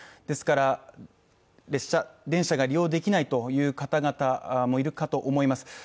ですから、電車が利用できないという方々もいるかと思います